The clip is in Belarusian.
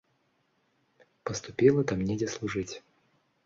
Паступіла там недзе служыць.